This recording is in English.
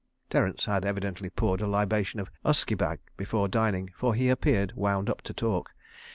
Terence had evidently poured a libation of usquebagh before dining, for he appeared wound up to talk.